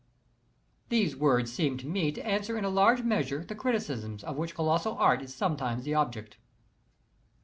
These words seem to me to answer in a large measure the criticisms of which colossal art is sometimes the object.